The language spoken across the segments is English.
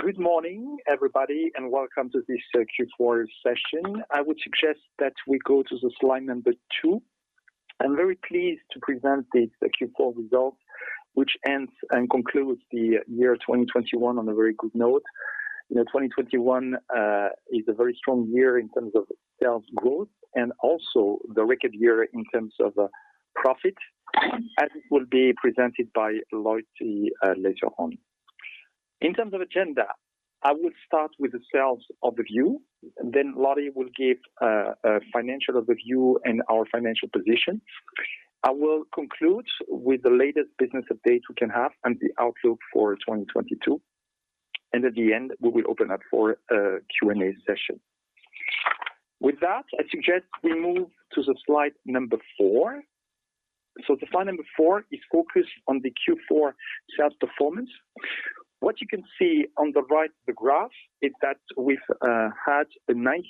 Good morning, everybody, and welcome to this Q4 session. I would suggest that we go to the slide number two. I'm very pleased to present these Q4 results, which ends and concludes the year 2021 on a very good note. You know, 2021 is a very strong year in terms of sales growth and also the record year in terms of profit, as will be presented by Lottie later on. In terms of agenda, I will start with the sales overview, then Lottie will give a financial overview and our financial position. I will conclude with the latest business update we can have and the outlook for 2022. At the end, we will open up for a Q&A session. With that, I suggest we move to the slide number four. Slide number four is focused on the Q4 sales performance. What you can see on the right, the graph, is that we've had a 90%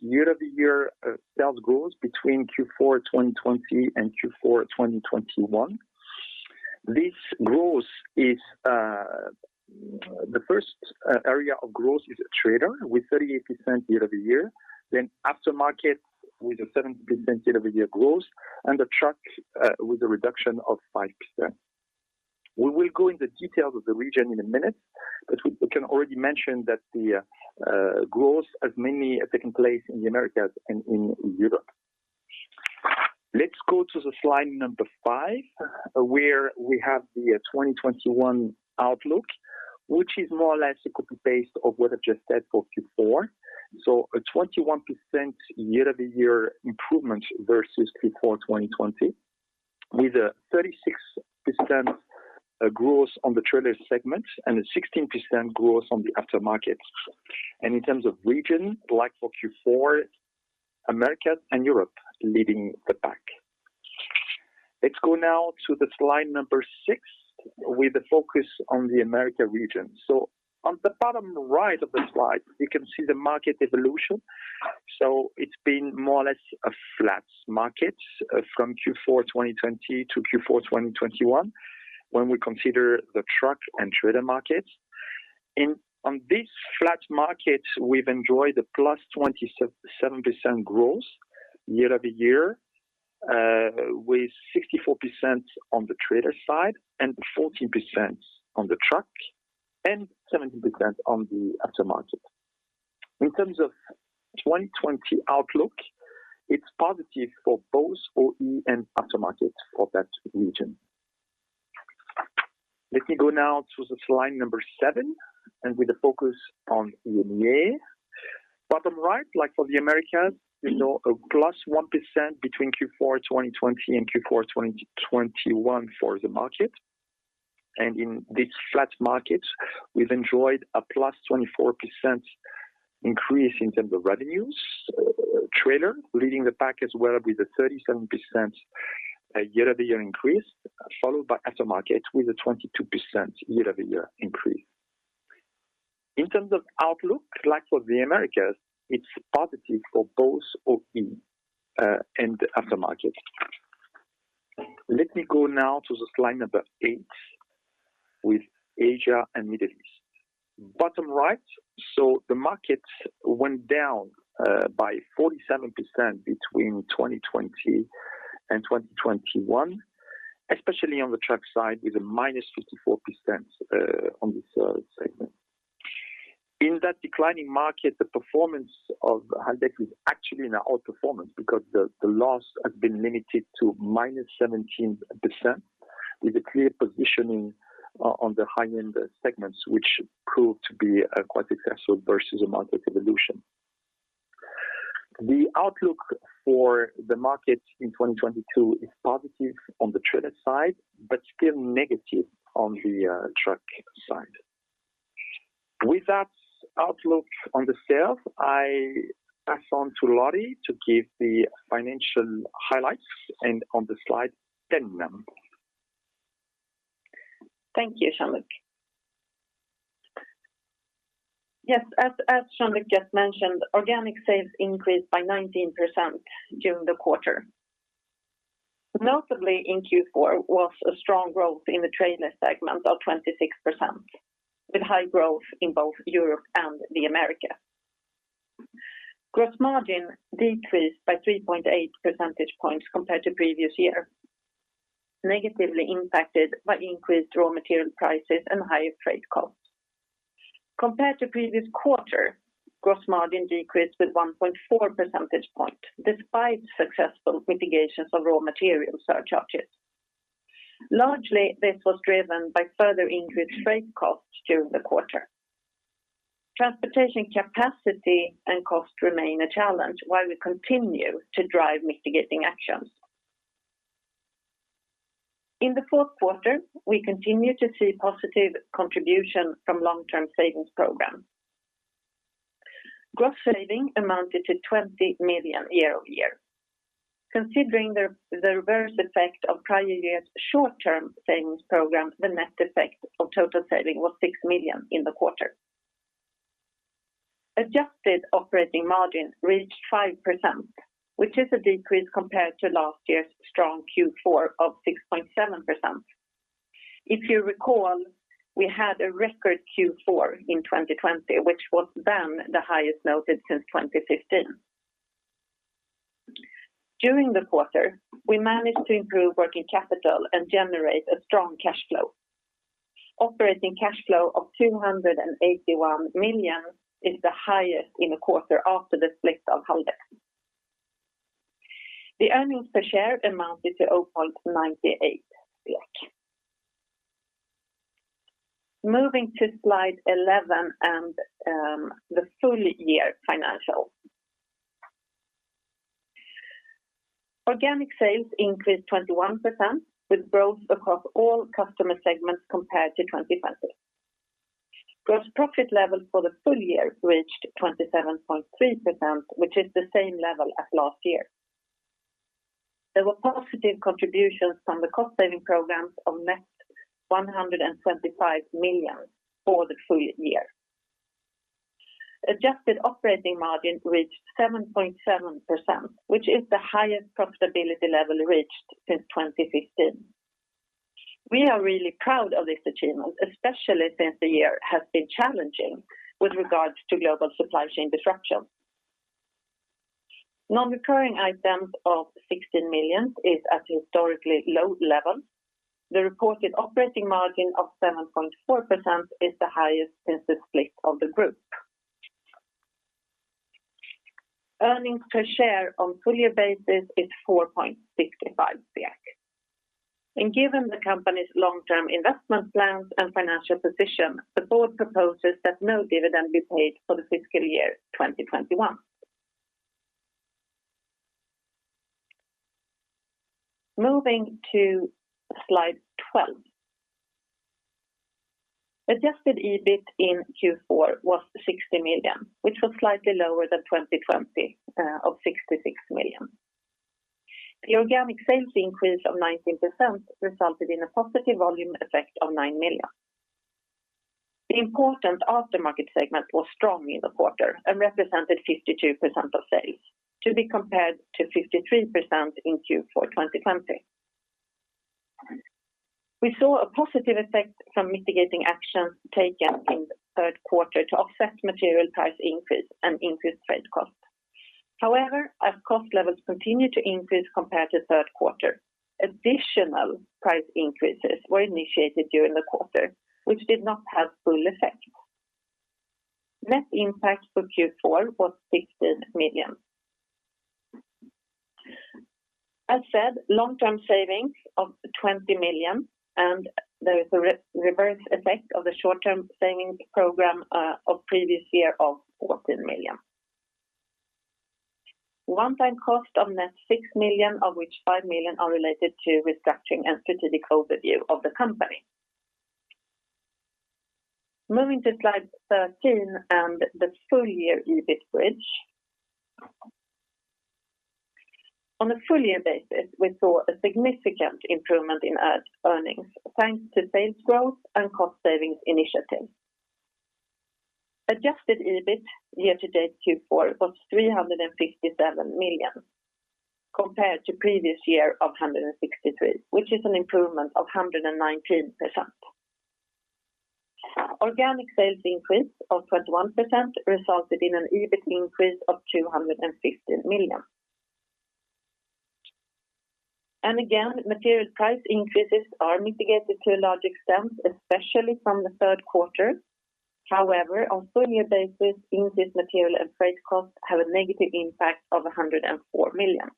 year-over-year sales growth between Q4 2020 and Q4 2021. This growth is. The first area of growth is trailer with 38% year-over-year, then aftermarket with a 7% year-over-year growth, and the truck with a reduction of 5%. We will go in the details of the region in a minute, but we can already mention that the growth has mainly taken place in the Americas and in Europe. Let's go to the slide number five, where we have the 2021 outlook, which is more or less a copy paste of what I just said for Q4. A 21% year-over-year improvement versus Q4 2020, with a 36% growth on the trailer segment and a 16% growth on the aftermarket. In terms of region, like for Q4, Americas and Europe leading the pack. Let's go now to the slide six, with a focus on the Americas region. On the bottom right of the slide, you can see the market evolution. It's been more or less a flat market from Q4 2020 to Q4 2021, when we consider the truck and trailer markets. On this flat market, we've enjoyed a +27% growth year-over-year, with 64% on the trailer side and 14% on the truck and 17% on the aftermarket. In terms of 2022 outlook, it's positive for both OE and aftermarket for that region. Let me go now to the slide number seven, with a focus on EMEA. Bottom right, like for the Americas, you know, +1% between Q4 2020 and Q4 2021 for the market. In this flat market, we've enjoyed a +24% increase in terms of revenues. Trailer leading the pack as well with a 37% year-over-year increase, followed by aftermarket with a 22% year-over-year increase. In terms of outlook, like for the Americas, it's positive for both OE and the aftermarket. Let me go now to the slide number eight with Asia and Middle East. Bottom right, the market went down by 47% between 2020 and 2021, especially on the truck side with a -54% on this segment. In that declining market, the performance of Haldex is actually in our outperformance because the loss has been limited to -17%, with a clear positioning on the high-end segments, which proved to be quite successful versus the market evolution. The outlook for the market in 2022 is positive on the trailer side, but still negative on the truck side. With that outlook on the sales, I pass on to Lottie to give the financial highlights and on the slide 10 now. Thank you, Jean-Luc. Yes, as Jean-Luc just mentioned, organic sales increased by 19% during the quarter. Notably in Q4 was a strong growth in the trailer segment of 26%, with high growth in both Europe and the Americas. Gross margin decreased by 3.8 percentage points compared to previous year, negatively impacted by increased raw material prices and higher freight costs. Compared to previous quarter, gross margin decreased with 1.4 percentage point, despite successful mitigations of raw material surcharges. Largely, this was driven by further increased freight costs during the quarter. Transportation capacity and cost remain a challenge while we continue to drive mitigating actions. In the fourth quarter, we continue to see positive contribution from long-term savings programs. Gross savings amounted to 20 million year-over-year. Considering the reverse effect of prior year's short-term savings program, the net effect of total saving was 6 million in the quarter. Adjusted operating margin reached 5%, which is a decrease compared to last year's strong Q4 of 6.7%. If you recall, we had a record Q4 in 2020, which was then the highest noted since 2015. During the quarter, we managed to improve working capital and generate a strong cash flow. Operating cash flow of 281 million is the highest in a quarter after the split of Haldex. The earnings per share amounted to 0.98 SEK. Moving to slide 11 and the full year financials. Organic sales increased 21% with growth across all customer segments compared to 2020. Gross profit level for the full year reached 27.3%, which is the same level as last year. There were positive contributions from the cost saving programs of net 125 million for the full year. Adjusted operating margin reached 7.7%, which is the highest profitability level reached since 2015. We are really proud of this achievement, especially since the year has been challenging with regards to global supply chain disruption. Non-recurring items of 16 million is at a historically low level. The reported operating margin of 7.4% is the highest since the split of the group. Earnings per share on full year basis is 4.65. Given the company's long-term investment plans and financial position, the board proposes that no dividend be paid for the fiscal year 2021. Moving to slide 12. Adjusted EBIT in Q4 was 60 million, which was slightly lower than 2020 of 66 million. The organic sales increase of 19% resulted in a positive volume effect of 9 million. The important aftermarket segment was strong in the quarter and represented 52% of sales to be compared to 53% in Q4 2020. We saw a positive effect from mitigating actions taken in the third quarter to offset material price increase and increased freight cost. However, as cost levels continue to increase compared to third quarter, additional price increases were initiated during the quarter, which did not have full effect. Net impact for Q4 was 16 million. As said, long-term savings of 20 million and there is a reverse effect of the short-term savings program of previous year of 14 million. One-time cost of net 6 million, of which 5 million are related to restructuring and strategic overview of the company. Moving to slide 13 and the full year EBIT bridge. On a full year basis, we saw a significant improvement in earnings, thanks to sales growth and cost savings initiatives. Adjusted EBIT year to date Q4 was 357 million compared to previous year of 163 milion, which is an improvement of 119%. Organic sales increase of 21% resulted in an EBIT increase of 250 million. Again, material price increases are mitigated to a large extent, especially from the third quarter. However, on full year basis, increased material and freight costs have a negative impact of 104 million.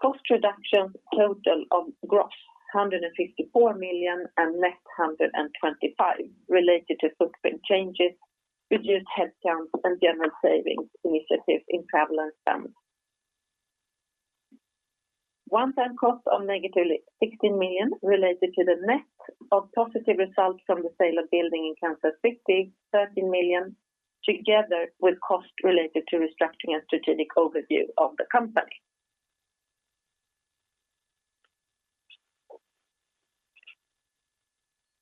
Cost reductions total of gross 154 million and net 125 million related to footprint changes, reduced headcounts and general savings initiatives in travel and spend. One-time cost of negative 16 million related to the net of positive results from the sale of building in Kansas City, 13 million together with costs related to restructuring a strategic overview of the company.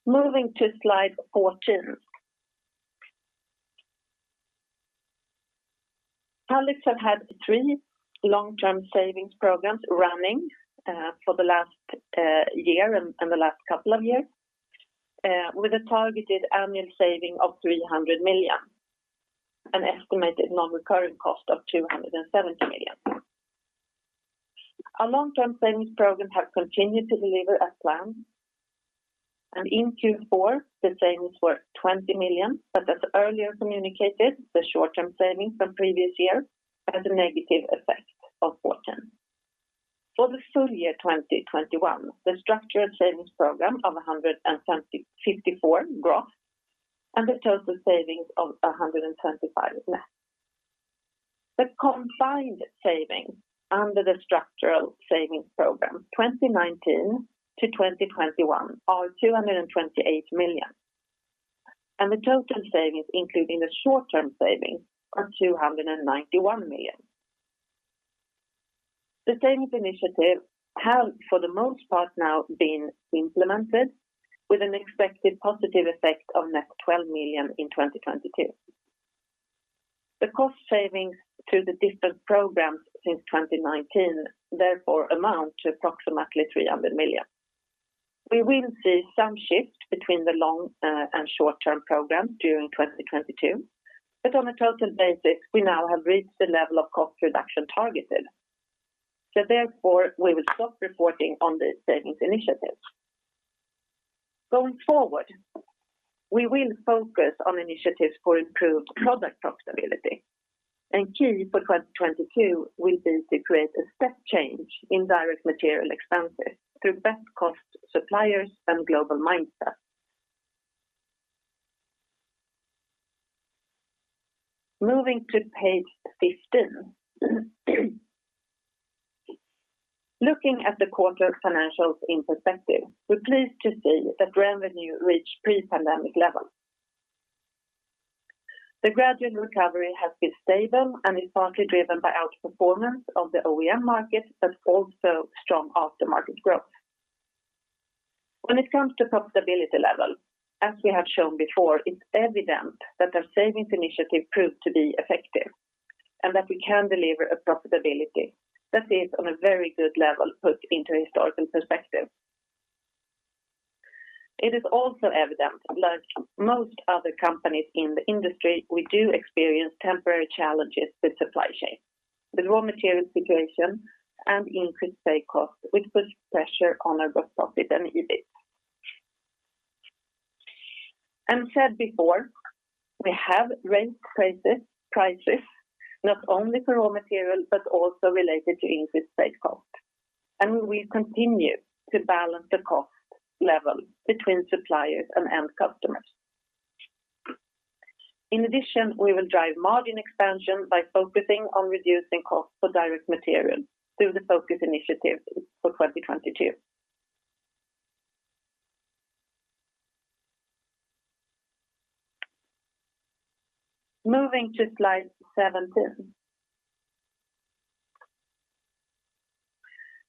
Moving to slide 14. Haldex have had three long-term savings programs running for the last year and the last couple of years with a targeted annual saving of 300 million, an estimated non-recurring cost of 270 million. Our long-term savings program have continued to deliver as planned. In Q4, the savings were 20 million, but as earlier communicated, the short-term savings from previous year had a negative effect of SEK 14 million. For the full year 2021, the structured savings program of 154 million gross and a total savings of 125 million net. The combined savings under the structural savings program 2019 to 2021 are 228 million, and the total savings, including the short-term savings, are 291 million. The savings initiative have, for the most part now been implemented with an expected positive effect of net 12 million in 2022. The cost savings through the different programs since 2019 therefore amount to approximately 300 million. We will see some shift between the long, and short-term program during 2022, but on a total basis, we now have reached the level of cost reduction targeted. Therefore, we will stop reporting on the savings initiatives. Going forward, we will focus on initiatives for improved product profitability. Key for 2022 will be to create a step change in direct material expenses through best cost suppliers and global mindset. Moving to page 15. Looking at the quarter financials in perspective, we're pleased to see that revenue reached pre-pandemic levels. The gradual recovery has been stable and is partly driven by outperformance of the OEM market, but also strong aftermarket growth. When it comes to profitability level, as we have shown before, it's evident that our savings initiative proved to be effective, and that we can deliver a profitability that is on a very good level put into historical perspective. It is also evident that like most other companies in the industry, we do experience temporary challenges with supply chain, the raw material situation and increased pay cost, which puts pressure on our gross profit and EBIT. As said before, we have raised prices not only for raw material, but also related to increased pay cost. We will continue to balance the cost level between suppliers and end customers. In addition, we will drive margin expansion by focusing on reducing costs for direct material through the focus initiatives for 2022. Moving to slide 17.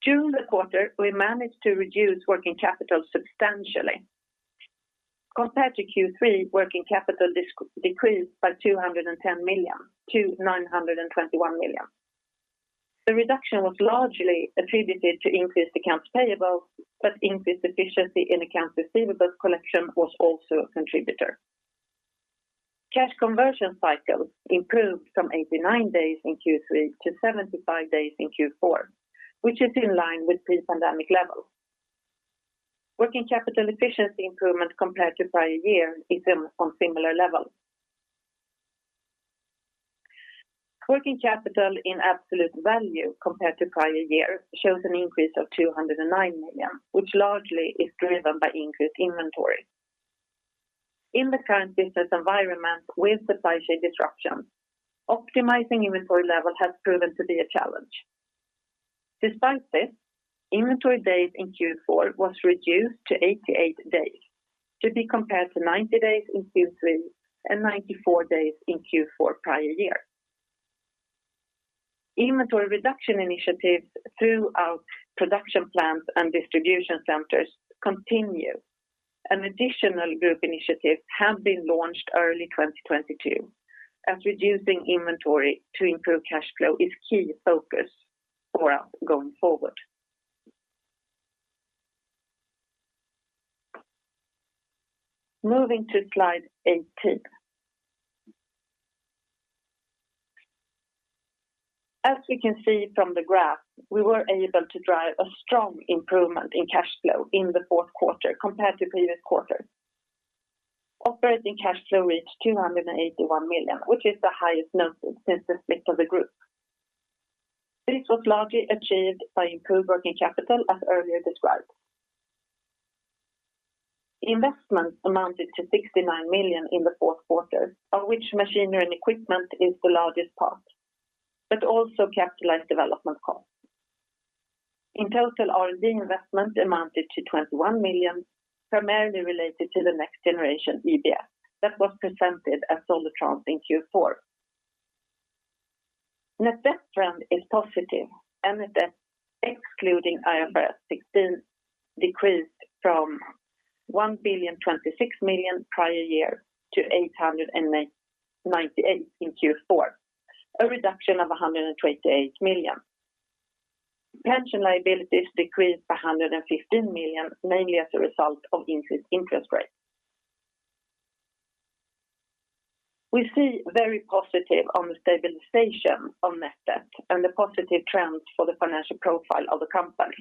During the quarter, we managed to reduce working capital substantially. Compared to Q3, working capital decreased by 210 million to 921 million. The reduction was largely attributed to increased accounts payable, but increased efficiency in accounts receivable collection was also a contributor. Cash conversion cycle improved from 89 days in Q3 to 75 days in Q4, which is in line with pre-pandemic levels. Working capital efficiency improvement compared to prior year is on similar levels. Working capital in absolute value compared to prior year shows an increase of 209 million, which largely is driven by increased inventory. In the current business environment with supply chain disruptions, optimizing inventory level has proven to be a challenge. Despite this, inventory days in Q4 was reduced to 88 days to be compared to 90 days in Q3 and 94 days in Q4 prior year. Inventory reduction initiatives through our production plants and distribution centers continue. An additional group initiative have been launched early 2022 as reducing inventory to improve cash flow is key focus for us going forward. Moving to slide 18. As we can see from the graph, we were able to drive a strong improvement in cash flow in the fourth quarter compared to previous quarters. Operating cash flow reached 281 million, which is the highest noted since the split of the group. This was largely achieved by improved working capital, as earlier described. Investments amounted to 69 million in the fourth quarter, of which machinery and equipment is the largest part, but also capitalized development costs. In total, R&D investment amounted to 21 million, primarily related to the next generation EBS that was presented at SOLUTRANS in Q4. Net debt trend is positive. Net debt excluding IFRS 16 decreased from 1,026 million prior year to 898 million in Q4, a reduction of 128 million. Pension liabilities decreased by 115 million, mainly as a result of increased interest rates. We see very positive on the stabilization of net debt and the positive trends for the financial profile of the company.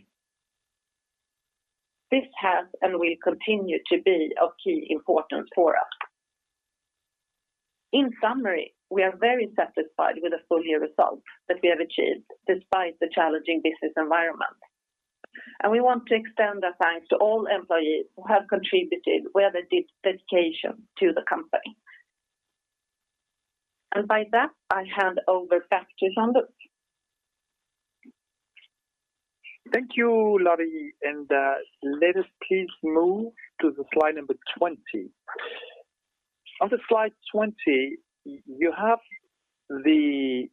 This has and will continue to be of key importance for us. In summary, we are very satisfied with the full year results that we have achieved despite the challenging business environment. We want to extend our thanks to all employees who have contributed with their dedication to the company. By that, I hand over back to Jean-Luc Désir. Thank you, Lottie. Let us please move to the slide number 20. On the slide 20, you have the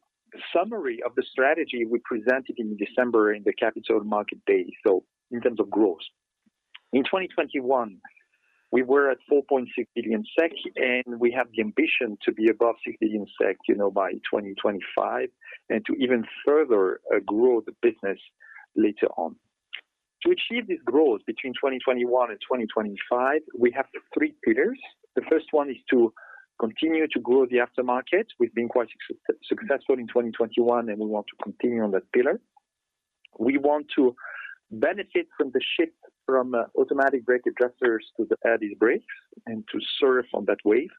summary of the strategy we presented in December in the Capital Markets Day, so in terms of growth. In 2021, we were at 4.6 billion SEK, and we have the ambition to be above 6 billion SEK, you know, by 2025, and to even further grow the business later on. To achieve this growth between 2021 and 2025, we have three pillars. The first one is to continue to grow the aftermarket. We've been quite successful in 2021, and we want to continue on that pillar. We want to benefit from the shift from automatic brake adjusters to the disc brakes and to surf on that wave.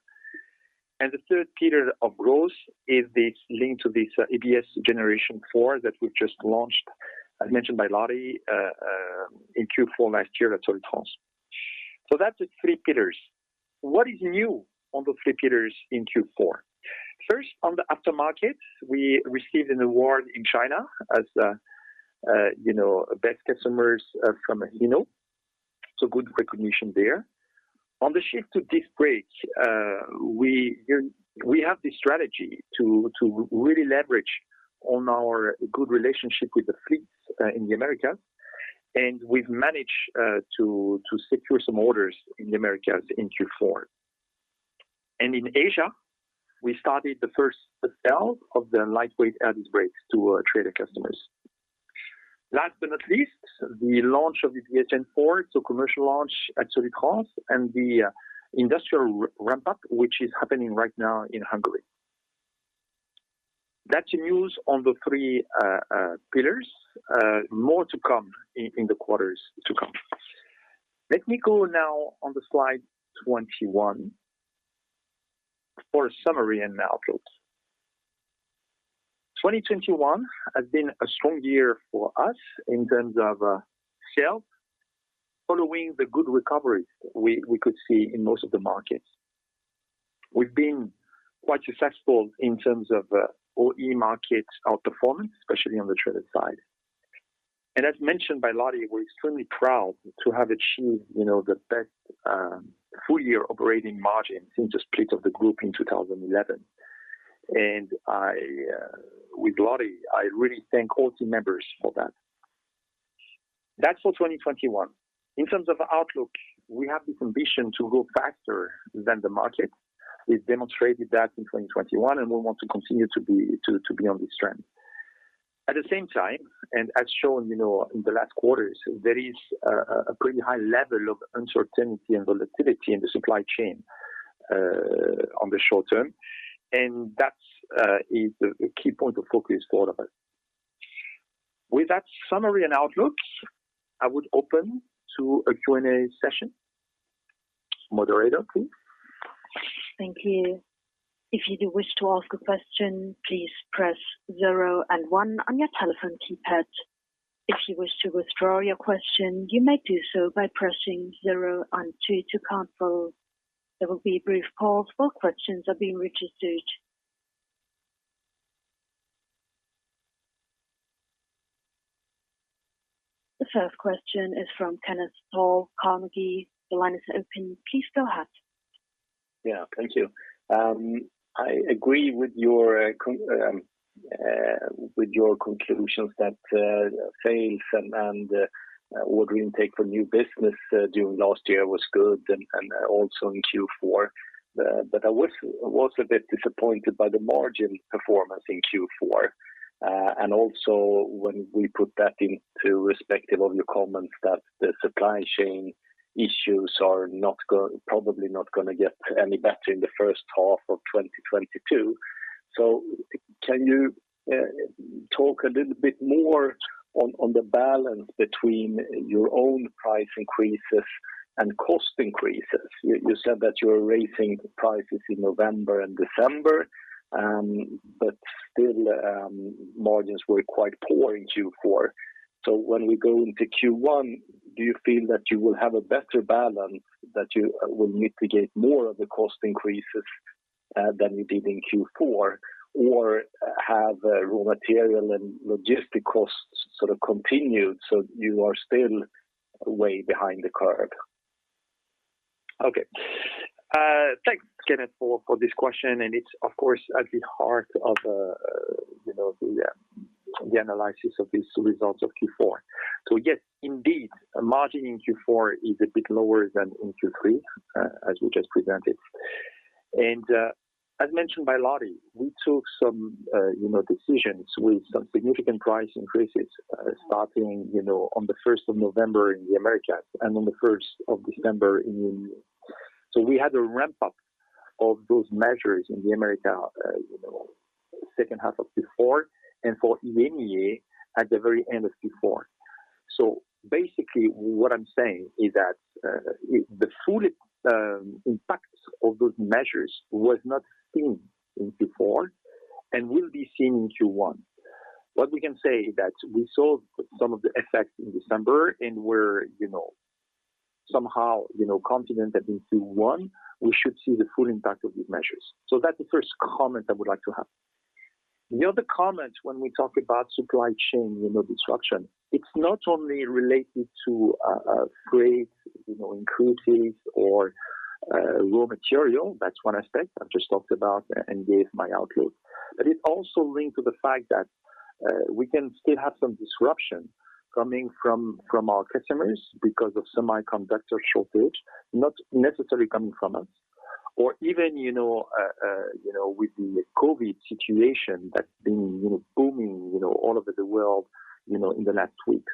The third pillar of growth is this link to this EB+ 4.0 that we've just launched, as mentioned by Lottie, in Q4 last year at SOLUTRANS. That's the three pillars. What is new on the three pillars in Q4? First, on the aftermarket, we received an award in China as, you know, best customers from Hino, so good recognition there. On the shift to disc brakes, we have the strategy to really leverage on our good relationship with the fleets in the Americas, and we've managed to secure some orders in the Americas in Q4. In Asia, we started the first sale of the lightweight air disc brakes to our trailer customers. Last but not least, the launch of the EB+ 4.0, so commercial launch at SOLUTRANS and the industrial ramp-up, which is happening right now in Hungary. That's the news on the three pillars. More to come in the quarters to come. Let me go now to slide 21 for a summary and outlook. 2021 has been a strong year for us in terms of sales following the good recovery we could see in most of the markets. We've been quite successful in terms of OE market outperformance, especially on the traded side. As mentioned by Lottie, we're extremely proud to have achieved, you know, the best full year operating margin since the split of the group in 2011. I, with Lottie, I really thank all team members for that. That's for 2021. In terms of outlook, we have the ambition to grow faster than the market. We've demonstrated that in 2021, and we want to continue to be on this trend. At the same time, and as shown, you know, in the last quarters, there is a pretty high level of uncertainty and volatility in the supply chain on the short term. That is the key point of focus for all of us. With that summary and outlook, I would open to a Q&A session. Moderator, please. Thank you. If you do wish to ask a question, please press zero and one on your telephone keypad. If you wish to withdraw your question, you may do so by pressing zero and two to cancel. There will be a brief pause while questions are being registered. The first question is from Kenneth Toll, Carnegie. The line is open. Please go ahead. Yeah. Thank you. I agree with your conclusions that sales and order intake for new business during last year was good and also in Q4. I was a bit disappointed by the margin performance in Q4. Also when we put that into respect to your comments that the supply chain issues are probably not gonna get any better in the first half of 2022. Can you talk a little bit more on the balance between your own price increases and cost increases? You said that you're raising prices in November and December, but still, margins were quite poor in Q4. When we go into Q1, do you feel that you will have a better balance, that you will mitigate more of the cost increases, than you did in Q4? Or have raw material and logistic costs sort of continued so you are still way behind the curve? Okay. Thanks, Kenneth, for this question, and it's of course at the heart of you know the analysis of these results of Q4. Yes, indeed, margin in Q4 is a bit lower than in Q3, as we just presented. As mentioned by Lottie, we took some you know decisions with some significant price increases, starting you know on the first of November in the Americas and on the first of December in EMEA. We had a ramp-up of those measures in the Americas you know second half of Q4 and for EMEA at the very end of Q4. Basically what I'm saying is that the full impact of those measures was not seen in Q4 and will be seen in Q1. What we can say is that we saw some of the effects in December and we're, you know, somehow, you know, confident that in Q1 we should see the full impact of these measures. That's the first comment I would like to have. The other comment when we talk about supply chain, you know, disruption, it's not only related to freight, you know, increases or raw material. That's one aspect I've just talked about and gave my outlook. But it also linked to the fact that we can still have some disruption coming from our customers because of semiconductor shortage, not necessarily coming from us. Or even, you know, with the COVID situation that's been, you know, booming, you know, all over the world, you know, in the last weeks.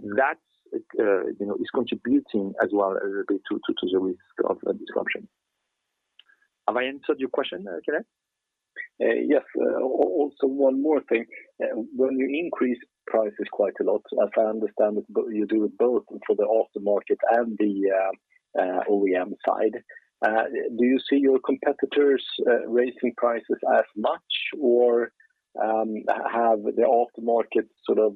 That's, you know, is contributing as well a little bit to the risk of a disruption. Have I answered your question, Kenneth? Yes. Also one more thing. When you increase prices quite a lot, as I understand it, but you do it both for the aftermarket and the OEM side, do you see your competitors raising prices as much? Or, have the aftermarket sort of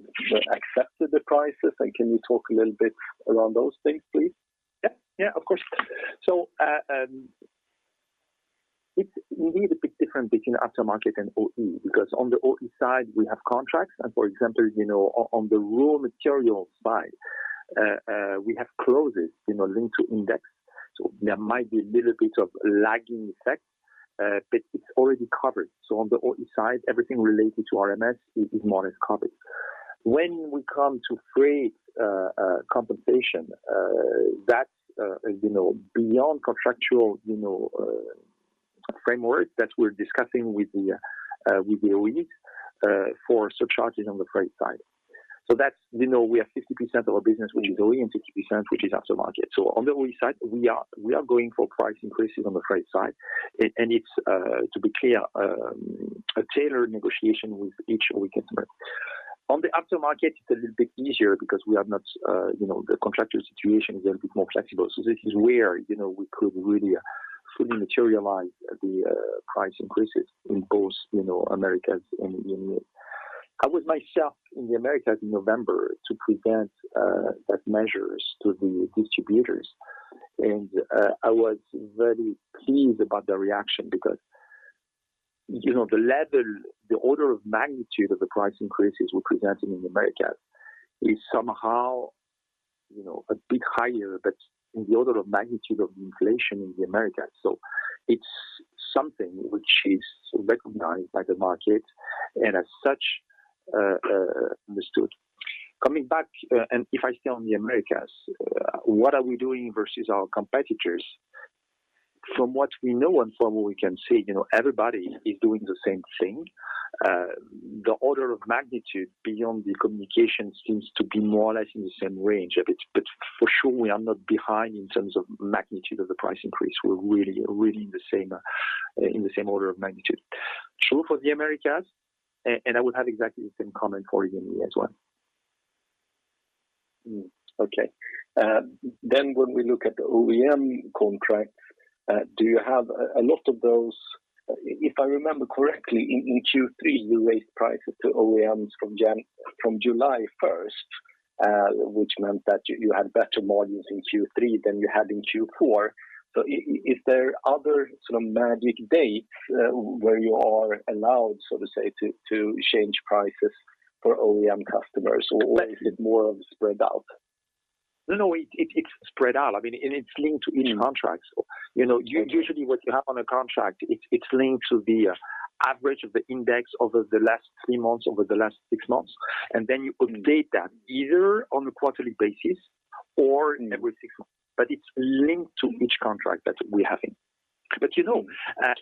accepted the prices? Can you talk a little bit around those things, please? Yeah. Yeah, of course. It's really a bit different between aftermarket and OE, because on the OE side, we have contracts and for example, you know, on the raw materials side, we have clauses, you know, linked to index. There might be a little bit of lagging effect, but it's already covered. On the OE side, everything related to RMS is more or less covered. When we come to freight compensation, that's, you know, beyond contractual, you know, framework that we're discussing with the OEs for surcharges on the freight side. That's, you know, we have 60% of our business, which is OE and 60%, which is aftermarket. On the OE side, we are going for price increases on the freight side. It's to be clear, a tailored negotiation with each OE customer. On the aftermarket, it's a little bit easier because we have not, you know, the contractor situation is a little bit more flexible. This is where, you know, we could really fully materialize the price increases in both, you know, Americas and EMEA. I was myself in the Americas in November to present that measures to the distributors. I was very pleased about their reaction because, you know, the level, the order of magnitude of the price increases we're presenting in the Americas is somehow, you know, a bit higher, but in the order of magnitude of inflation in the Americas. It's something which is recognized by the market and as such, understood. Coming back, if I stay on the Americas, what are we doing versus our competitors? From what we know and from what we can see, you know, everybody is doing the same thing. The order of magnitude beyond the communication seems to be more or less in the same range a bit. For sure, we are not behind in terms of magnitude of the price increase. We're really, really in the same, in the same order of magnitude. True for the Americas, and I would have exactly the same comment for you EMEA as well. Okay. When we look at the OEM contracts, do you have a lot of those? If I remember correctly, in Q3, you raised prices to OEMs from July first, which meant that you had better margins in Q3 than you had in Q4. Is there other sort of magic dates where you are allowed, so to say, to change prices for OEM customers, or is it more spread out? No, it's spread out. I mean, it's linked to each contract. You know, usually what you have on a contract, it's linked to the average of the index over the last three months, over the last six months. Then you update that either on a quarterly basis or every six months. It's linked to each contract that we're having. You know,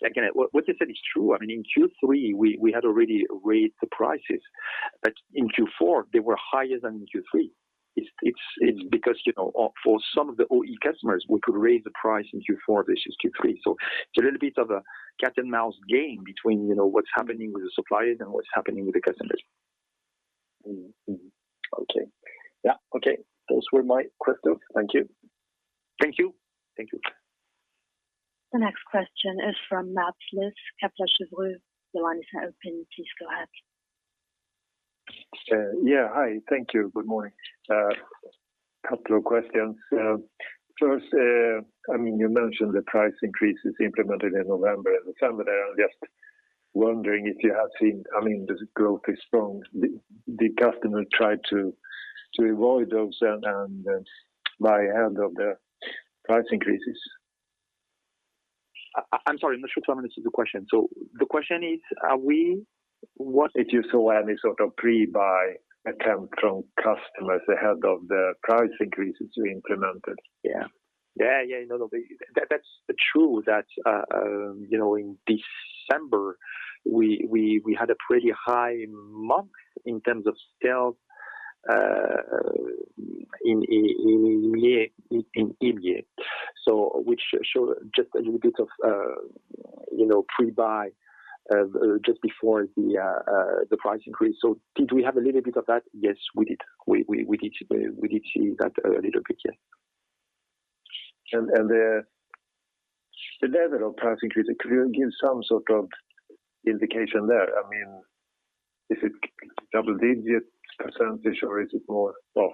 again, what you said is true. I mean, in Q3, we had already raised the prices, but in Q4, they were higher than in Q3. It's because, you know, for some of the OE customers, we could raise the price in Q4 versus Q3. It's a little bit of a cat and mouse game between, you know, what's happening with the suppliers and what's happening with the customers. Okay. Yeah. Okay. Those were my questions. Thank you. Thank you. Thank you. The next question is from Mats Liss, Kepler Cheuvreux. Your line is now open. Please go ahead. Yeah, hi. Thank you. Good morning. Couple of questions. First, I mean, you mentioned the price increases implemented in November and December there. I'm just wondering if you have seen. I mean, the growth is strong. Did customers try to avoid those and buy ahead of the price increases? I'm sorry. I'm not sure if I understood the question. The question is, are we- What did you see any sort of pre-buy attempt from customers ahead of the price increases you implemented? Yeah. Yeah. Yeah. No, no. That's true that you know, in December, we had a pretty high month in terms of sales in EMEA. Which showed just a little bit of you know, pre-buy just before the price increase. Did we have a little bit of that? Yes, we did. We did see that a little bit, yeah. The level of price increase, could you give some sort of indication there? I mean is it double-digit or is it more? Well,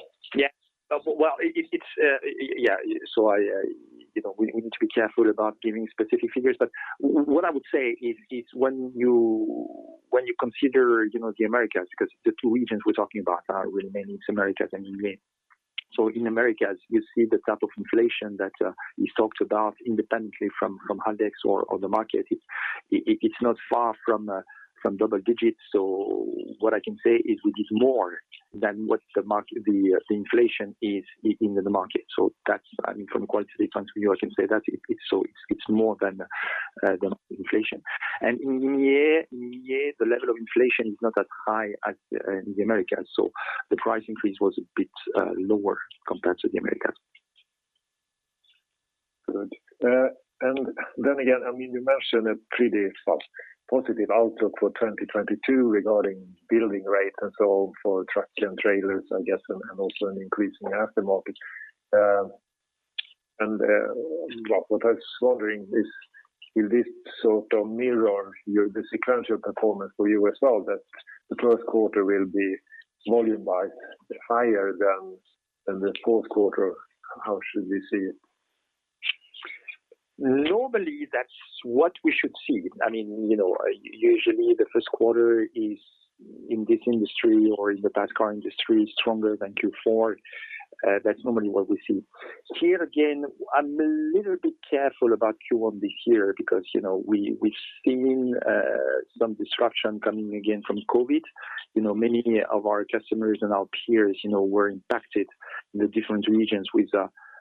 you know, we need to be careful about giving specific figures. But what I would say is, when you consider the Americas, because the two regions we're talking about are Americas and EMEA. In Americas, you see the type of inflation that we talked about independently from Haldex or the market. It's not far from double digits. What I can say is it is more than what the inflation is in the market. That's, I mean, from a qualitative point of view, I can say that it's more than inflation. In EMEA, the level of inflation is not as high as in the Americas, so the price increase was a bit lower compared to the Americas. Good. Again, I mean, you mentioned a pretty fast positive outlook for 2022 regarding building rates and so for trucks and trailers, I guess, and also an increase in the aftermarket. What I was wondering is, will this sort of mirror your sequential performance for you as well, that the first quarter will be volume-wise higher than the fourth quarter? How should we see it? Normally, that's what we should see. I mean, you know, usually the first quarter is in this industry or in the past car industry is stronger than Q4. That's normally what we see. Here again, I'm a little bit careful about Q1 this year because, you know, we've seen some disruption coming again from COVID. You know, many of our customers and our peers, you know, were impacted in the different regions with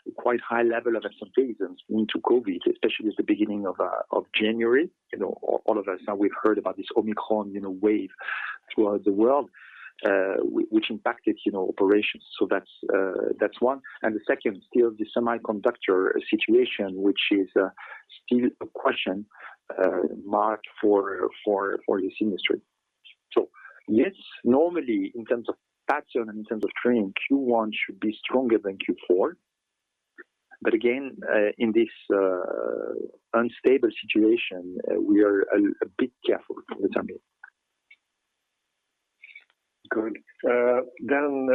a quite high level of absenteeism into COVID, especially at the beginning of of January. You know, all of us now we've heard about this Omicron, you know, wave throughout the world, which impacted, you know, operations. So that's one. The second, still the semiconductor situation, which is still a question mark for this industry. Yes, normally, in terms of pattern, in terms of trend, Q1 should be stronger than Q4. Again, in this unstable situation, we are a bit careful for the time being. Good. Then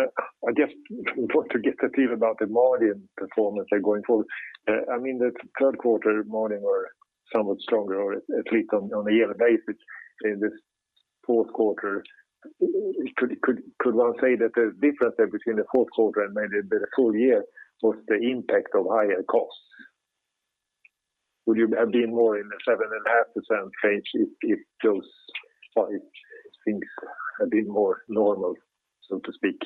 I just want to get a feel about the margin performance then going forward. I mean, the third quarter margin were somewhat stronger, or at least on a yearly basis in this fourth quarter. Could one say that the difference there between the fourth quarter and maybe the full year was the impact of higher costs? Would you have been more in the 7.5% range if those five things had been more normal, so to speak?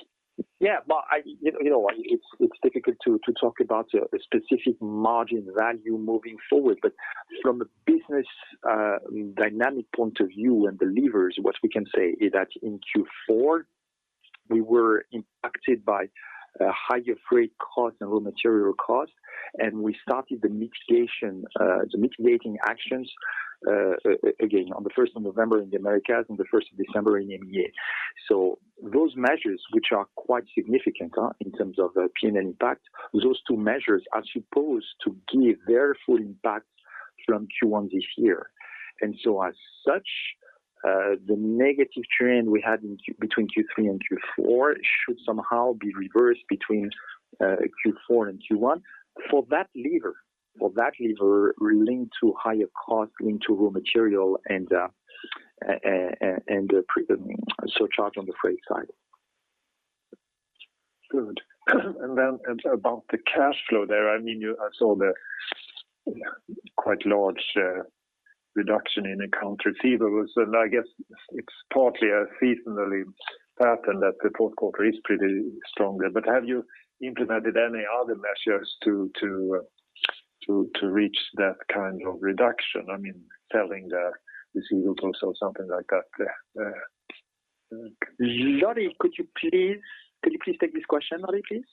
Yeah. I, you know, you know what? It's difficult to talk about a specific margin value moving forward. From a business dynamic point of view and the levers, what we can say is that in Q4, we were impacted by higher freight costs and raw material costs, and we started the mitigating actions again on the first of November in the Americas, on the first of December in EMEA. Those measures, which are quite significant in terms of the P&L impact, are supposed to give their full impact from Q1 this year. As such, the negative trend we had in between Q3 and Q4 should somehow be reversed between Q4 and Q1 for that lever linked to higher cost, linked to raw material and surcharge on the freight side. Good. Then about the cash flow there, I mean, you I saw the quite large reduction in accounts receivables, and I guess it's partly a seasonal pattern that the fourth quarter is pretty stronger. Have you implemented any other measures to reach that kind of reduction? I mean, selling the receivables or something like that? Lottie, could you please take this question, Lottie, please?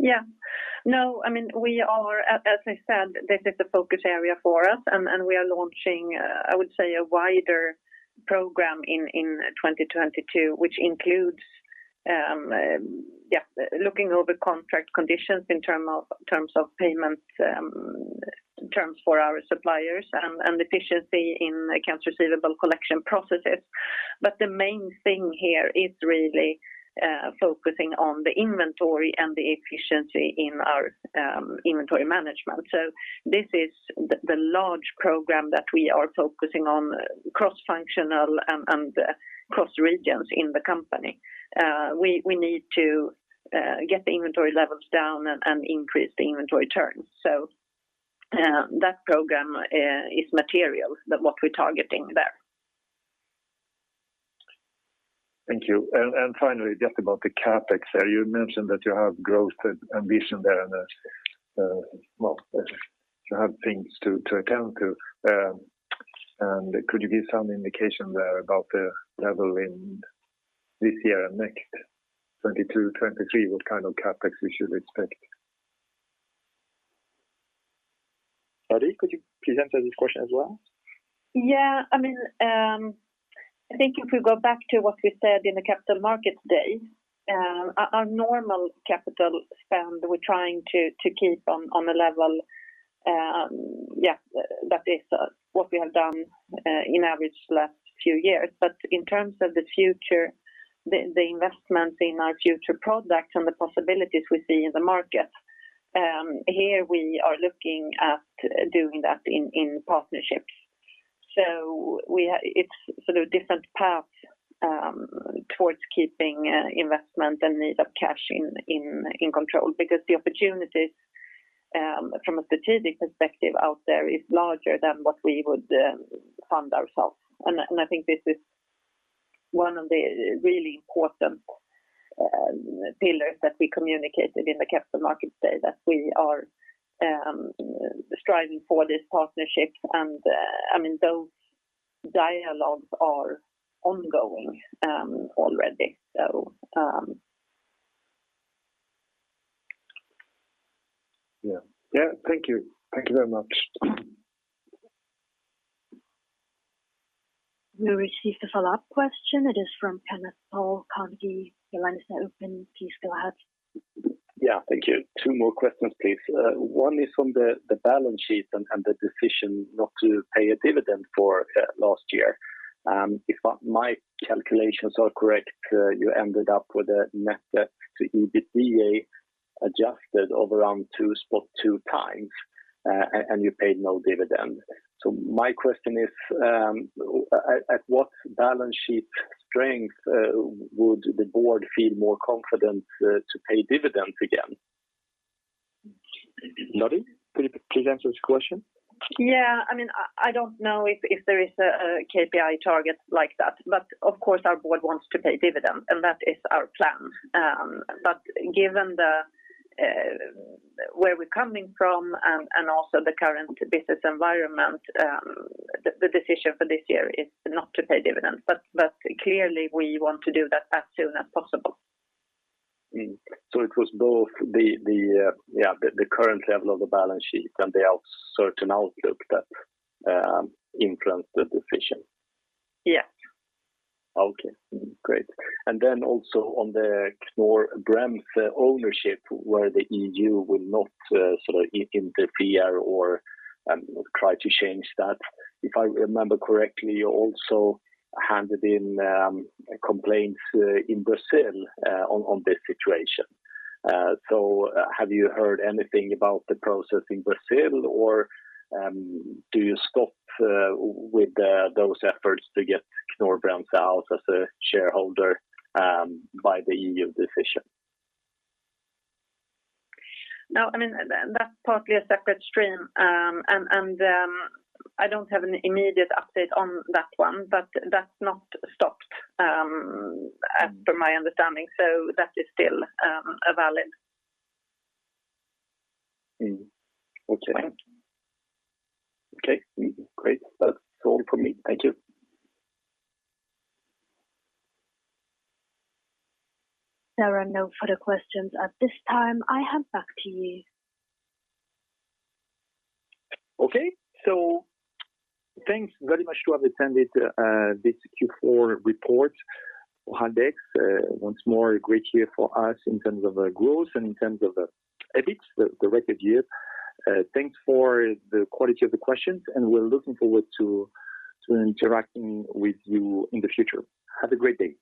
Yeah. No, I mean, we are. As I said, this is a focus area for us, and we are launching, I would say a wider program in 2022, which includes, yeah, looking over contract conditions in terms of payment terms for our suppliers and efficiency in accounts receivable collection processes. The main thing here is really focusing on the inventory and the efficiency in our inventory management. This is the large program that we are focusing on cross-functional and cross regions in the company. We need to get the inventory levels down and increase the inventory turns. That program is material to what we're targeting there. Thank you. Finally, just about the CapEx there, you mentioned that you have growth ambition there and, well, you have things to attend to. Could you give some indication there about the level in this year and next, 2022, 2023, what kind of CapEx we should expect? Lottie, could you please answer this question as well? Yeah. I mean, I think if we go back to what we said in the Capital Markets Day, our normal capital spend, we're trying to keep on a level. Yeah, that is what we have done on average last few years. But in terms of the future, the investment in our future products and the possibilities we see in the market, here we are looking at doing that in partnerships. It's sort of different path towards keeping investment and need of cash in control because the opportunities from a strategic perspective out there is larger than what we would fund ourselves. I think this is one of the really important pillars that we communicated in the Capital Markets Day that we are striving for this partnership. I mean, those dialogues are ongoing already. Yeah. Thank you very much. We received a follow-up question. It is from Kenneth Toll, Carnegie. Your line is now open. Please go ahead. Yeah. Thank you. Two more questions, please. One is on the balance sheet and the decision not to pay a dividend for last year. If my calculations are correct, you ended up with a net debt to EBITDA adjusted of around 2.2x, and you paid no dividend. My question is, at what balance sheet strength would the board feel more confident to pay dividends again? Lottie, could you please answer his question? Yeah. I mean, I don't know if there is a KPI target like that, but of course our board wants to pay dividends, and that is our plan. Given where we're coming from and also the current business environment, the decision for this year is not to pay dividends. Clearly we want to do that as soon as possible. It was both the current level of the balance sheet and the certain outlook that influenced the decision? Yeah. Okay. Great. Then also on the Knorr-Bremse ownership where the EU will not sort of interfere or try to change that. If I remember correctly, you also handed in complaints in Brazil on this situation. Have you heard anything about the process in Brazil or do you stop with those efforts to get Knorr-Bremse out as a shareholder by the EU decision? No, I mean, that's partly a separate stream. And I don't have an immediate update on that one, but that's not stopped from my understanding, so that is still valid. Okay. Great. That's all from me. Thank you. There are no further questions at this time. I hand back to you. Okay. Thanks very much to have attended this Q4 report for Haldex. Once more, a great year for us in terms of growth and in terms of EBIT, the record year. Thanks for the quality of the questions, and we're looking forward to interacting with you in the future. Have a great day.